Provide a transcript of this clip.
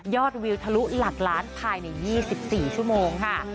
วิวทะลุหลักล้านภายใน๒๔ชั่วโมงค่ะ